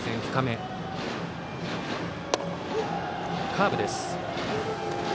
カーブです。